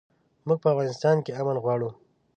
موږ په افغانستان کښې امن غواړو